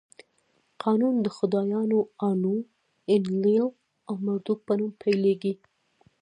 قانون د خدایانو آنو، اینلیل او مردوک په نوم پیلېږي.